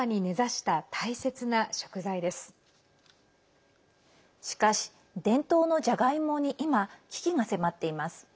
しかし、伝統のじゃがいもに今危機が迫っています。